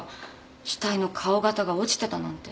死体の顔型が落ちてたなんて。